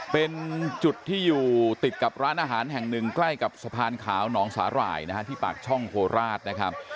เป็นจุดที่อยู่ติดกับร้านอาหารแห่งหนึ่งใกล้กับสะพานขาวหนองสาหร่ายนะฮะที่ปากช่องโคราชนะครับ